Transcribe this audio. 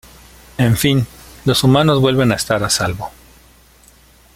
En fin, los humanos vuelven a estar a salvo.